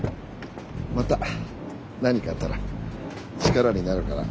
また何かあったら力になるから。